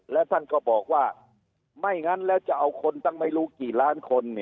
และท่านก็บอกว่าไม่งั้นแล้วจะเอาคนตั้งไม่รู้กี่ล้านคน